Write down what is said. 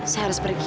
saya harus pergi